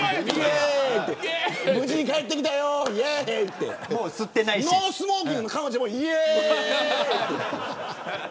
無事に帰ってきたよってノースモーキングの彼女ともいえーいって。